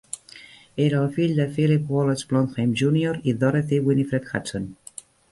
Era el fill de Philip Wallach Blondheim, Junior i Dorothy Winifred Hudson.